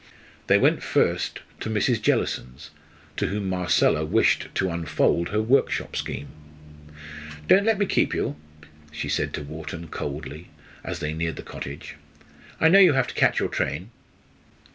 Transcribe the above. They went first to Mrs. Jellison's, to whom Marcella wished to unfold her workshop scheme. "Don't let me keep you," she said to Wharton coldly, as they neared the cottage; "I know you have to catch your train."